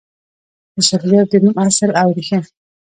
د شلګر د نوم اصل او ریښه: